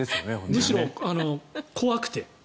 むしろ怖くて。